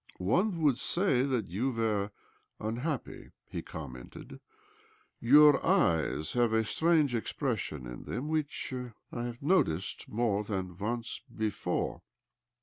" One would say that you Were unhappy," he commented. " Your eyes have a strange expression in them which I have noticed more than once before.